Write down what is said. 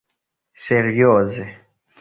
serioze